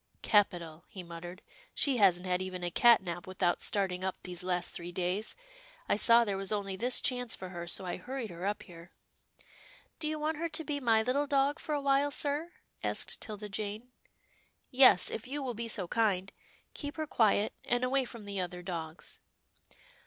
" Capital," he muttered, " she hasn't had even a cat nap without starting up these last three days. I saw there was only this chance for her, so I hurried her up here." " Do you want her to be my little dog for a while, sir? " asked 'Tilda Jane. " Yes, if you will be so kind. Keep her quiet, and away from the other dogs."